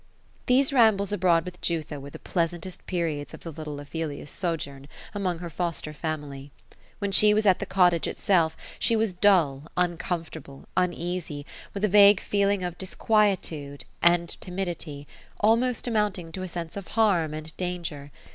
These rambles abroad with Jutha were the pleasantest periods of the little Ophelia's sojourn among her foster family. When she was at the cot tage itself, she was dull, uncomfortable, uneasy, with a vague feeling of disquietude and timidity, almost amounting to a sense of harm and danger.